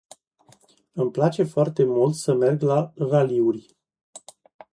Îmi place foarte mult să merg la raliuri.